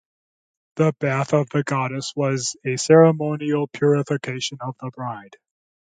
The bath of the goddess was a ceremonial purification of the bride.